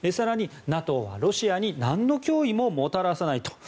更に、ＮＡＴＯはロシアになんの脅威ももたらさないと。